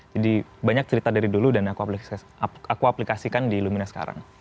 jadi banyak cerita dari dulu dan aku aplikasikan di lumina sekarang